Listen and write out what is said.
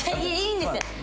いいんですよ！